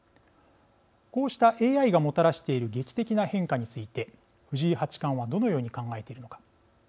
こうしたＡＩがもたらしている劇的な変化について藤井八冠はどのように考えているのか。